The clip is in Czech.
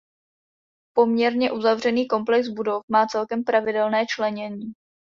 Poměrně uzavřený komplex budov má celkem pravidelné členění.